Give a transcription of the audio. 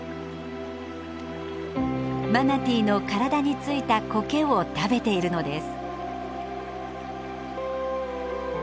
マナティーの体に付いたこけを食べているのです。